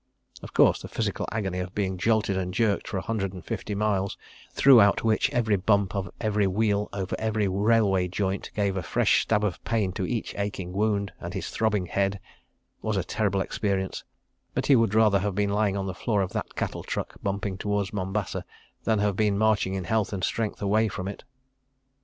Of course, the physical agony of being jolted and jerked for a hundred and fifty miles, throughout which every bump of every wheel over every railway joint gave a fresh stab of pain to each aching wound and his throbbing head, was a terrible experience—but he would rather have been lying on the floor of that cattle truck bumping towards Mombasa, than have been marching in health and strength away from it.